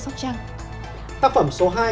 tác phẩm số hai